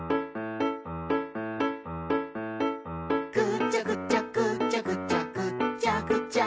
「ぐちゃぐちゃぐちゃぐちゃぐっちゃぐちゃ」